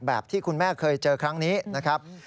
ที่คุณแม่เคยเจอครั้งนี้นะครับ